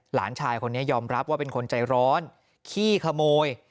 หลานชายคนนี้ยอมรับว่าเป็นคนใจร้อนขี้ขโมย